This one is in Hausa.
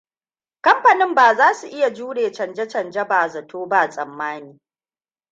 Kamfanin ba za su iya jure canje-canje ba zato ba tsammani.